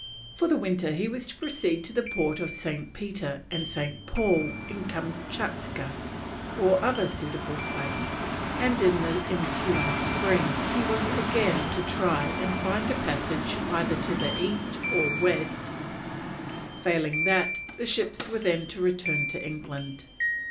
For the winter he was to proceed to the Port of St. Peter and St. Paul in Kamtschatka, or other suitable place, and in the ensuing spring he was again to try and find a passage either to the east or west; failing that, the ships were then to return to England.